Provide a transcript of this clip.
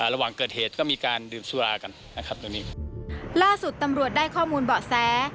ล่าสุดตำรวจได้ข้อมูลเบาะแส